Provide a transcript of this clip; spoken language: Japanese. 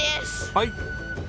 はい。